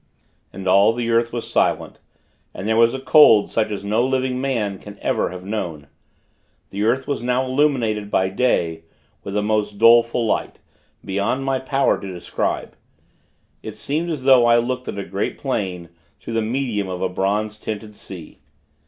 And all the earth was silent. And there was a cold, such as no living man can ever have known. The earth was now illuminated, by day, with a most doleful light, beyond my power to describe. It seemed as though I looked at the great plain, through the medium of a bronze tinted sea.